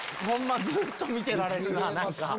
ほんま、ずっと見てられるな。